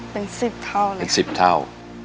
เป็นสิบเท่าเลยครับเป็นสิบเท่า